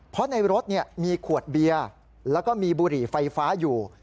เพราะในรถมีขวดเบียร์แล้วก็มีบุหรี่ไฟฟ้าอยู่